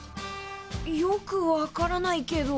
よくわからないけど。